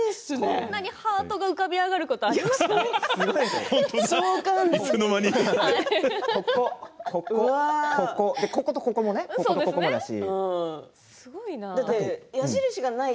こんなにハートが浮かび上がることがここも、ここもだし。